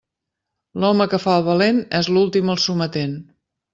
L'home que fa el valent és l'últim al sometent.